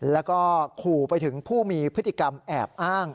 แล้วก็ขู่ไปถึงผู้มีพฤติกรรมแอบอ้าง